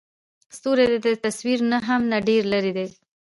ستوري د تصور نه هم ډېر لرې دي.